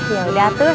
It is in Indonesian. ya udah tuh